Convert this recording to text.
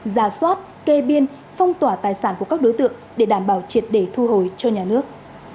giả soát kê biên phong tỏa tài sản của các đối tượng để đảm bảo triệt để thu hồi cho nhà nước